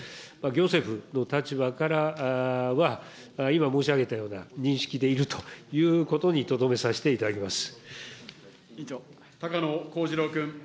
行政府の立場からは、今申し上げたような認識でいるということにとどめさせていただき高野光二郎君。